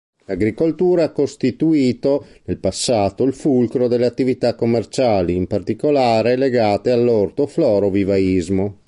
L'agricoltura ha costituito, nel passato, il fulcro delle attività commerciali, in particolare legate all'orto-floro-vivaismo.